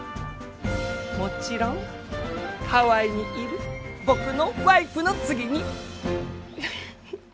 もちろんハワイにいる僕のワイフの次に！